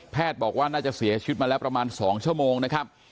บอกว่าน่าจะเสียชีวิตมาแล้วประมาณ๒ชั่วโมงนะครับ